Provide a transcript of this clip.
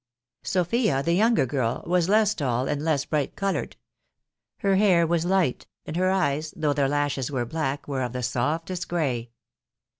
Sophia, the younger girl, was kas tall and less bright coloured ; her hair was light, and her eyea, though their hushes were black, were of the softest grey.